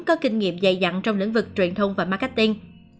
có kinh nghiệm dày dặn trong lĩnh vực truyền thông và marketing